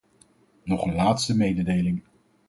Nog een laatste mededeling.